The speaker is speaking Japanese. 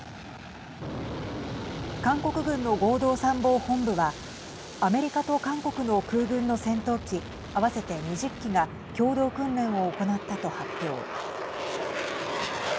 韓国軍の合同参謀本部はアメリカと韓国の空軍の戦闘機合わせて２０機が共同訓練を行ったと発表。